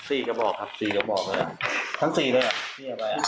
สี่กระบอกครับสี่กระบอกครับทั้งสี่เลยอ่ะ